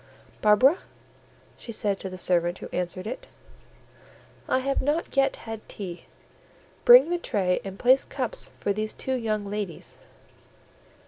"Barbara," she said to the servant who answered it, "I have not yet had tea; bring the tray and place cups for these two young ladies."